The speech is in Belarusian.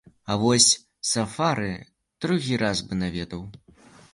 А вось сафары другі раз бы наведаў.